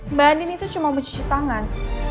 mbak andin itu cuma mau cuci tangan